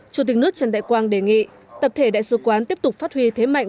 chủ tịch nước trần đại quang đề nghị tập thể đại sứ quán tiếp tục phát huy thế mạnh